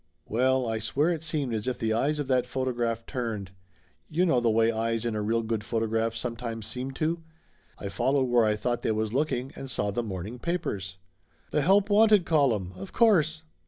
Well, I swear it seemed as if the eyes of that photo graph turned. You know the way eyes in a real good photograph sometimes seem to? I followed where I thought they was looking and saw the morning papers. The Help Wanted column, of course!